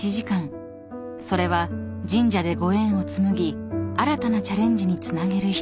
［それは神社でご縁を紡ぎ新たなチャレンジにつなげるひととき］